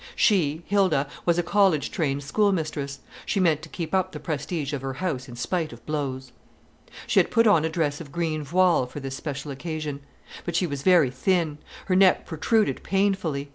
She, Hilda, was a college trained schoolmistress; she meant to keep up the prestige of her house in spite of blows. She had put on a dress of green voile for this special occasion. But she was very thin; her neck protruded painfully.